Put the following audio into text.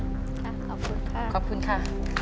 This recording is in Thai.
ดีค่ะขอบคุณค่ะขอบคุณค่ะ